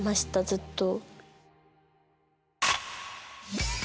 ずっと。